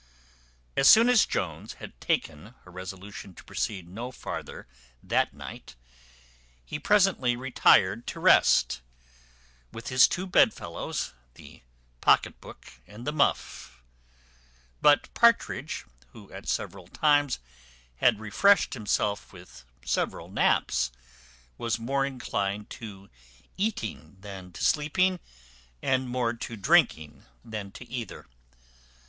As soon as Jones had taken a resolution to proceed no farther that night, he presently retired to rest, with his two bedfellows, the pocket book and the muff; but Partridge, who at several times had refreshed himself with several naps, was more inclined to eating than to sleeping, and more to drinking than to either.